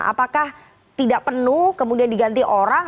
apakah tidak penuh kemudian diganti orang